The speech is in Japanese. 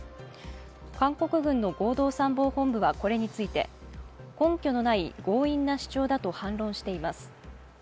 韓国軍の合同参謀本部はこれについて、根拠のない強引な主張だと反論しています。